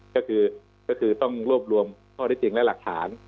ก็คือต้องรวบรวมข้อที่จริงและหลักฐาน